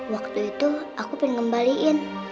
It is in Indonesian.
waktu itu aku pengen ngembaliin